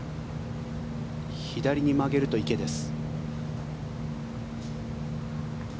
左に曲げると池です。